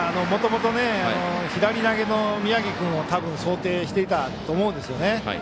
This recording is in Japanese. もともと左投げの宮城君を想定していたと思うんですよね。